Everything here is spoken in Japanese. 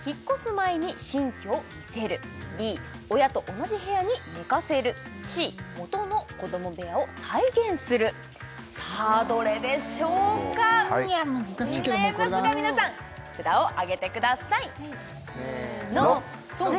前に新居を見せるＢ親と同じ部屋に寝かせるＣ元の子ども部屋を再現するさあどれでしょうか難しいけどもうこれだな札をあげてくださいせのドン！